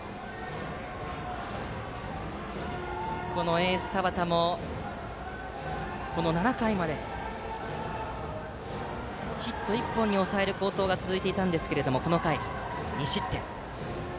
エース、田端も７回までヒット１本に抑える好投が続いていたんですがこの回、２失点。